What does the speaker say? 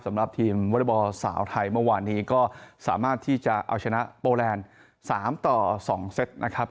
สำหรับทีมวอเล็กบอลสาวไทยเมื่อวานนี้ก็สามารถที่จะเอาชนะโปแลนด์๓ต่อ๒เซตนะครับ